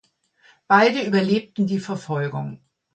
Beide überlebten die Verfolgung.